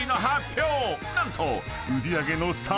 ［何と］